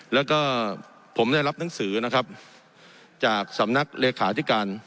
แล้วก็ผมได้รับหนังสือนะครับจากสำนักเลขาธิการ